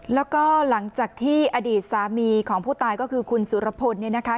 แล้วก็หลังจากที่อดีตสามีของผู้ตายก็คือคุณสุรพลเนี่ยนะคะ